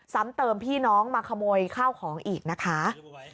ซ้ำเติมพี่น้องมาขโมยข้าวของอีกนะคะ